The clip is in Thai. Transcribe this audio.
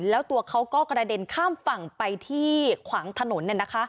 แล้วตัวเขาก็กระเด็นข้ามฝั่งไปที่ขวางถนน